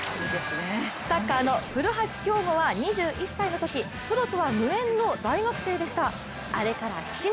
サッカーの古橋亨梧は２１歳のとき、プロとは無縁の大学生でした、あれから７年。